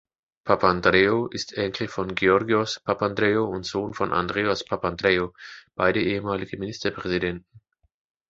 Papandreou ist Enkel von Georgios Papandreou und Sohn von Andreas Papandreou, beide ehemalige Ministerpräsidenten.